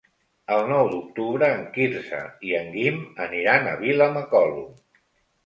El nou d'octubre en Quirze i en Guim aniran a Vilamacolum.